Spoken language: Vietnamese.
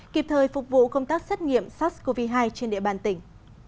kịp thời phục vụ công tác xét nghiệm sars cov hai trên địa bàn tỉnh